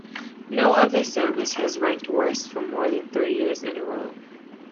No other service has ranked worst for more than three years in a row.